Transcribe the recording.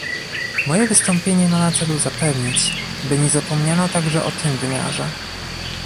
Moje wystąpienie ma na celu zapewnić, by nie zapomniano także o tym wymiarze